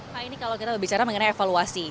pak ini kalau kita bicara mengenai evaluasi